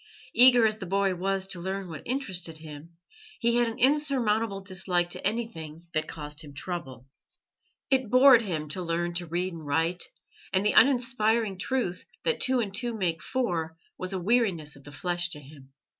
Eager as the boy was to learn what interested him, he had an insurmountable dislike to anything that caused him trouble. It bored him to learn to read and write, and the uninspiring truth that two and two make four was a weariness of the flesh to him.